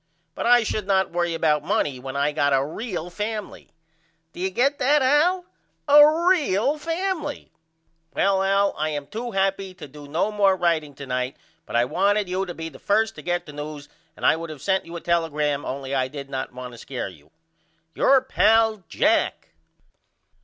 But I should not worry about money when I got a real family. Do you get that Al, a real family? Well Al I am to happy to do no more writeing to night but I wanted you to be the 1st to get the news and I would of sent you a telegram only I did not want to scare you. Your pal, JACK.